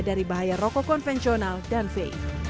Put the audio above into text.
dari bahaya rokok konvensional dan vape